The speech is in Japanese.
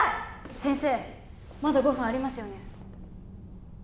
先生まだ５分ありますよね